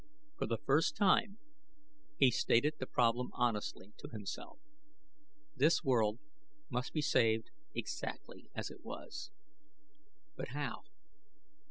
For the first time he stated the problem honestly, to himself: this world must be saved exactly as it was. But how?